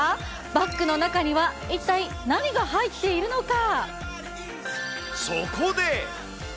バッグの中には一体何が入っていそこで！